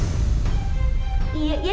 nanti aku jalan